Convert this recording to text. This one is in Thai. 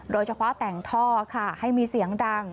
โดยเฉพาะแต่งท่อค่ะให้มีเสียงดัง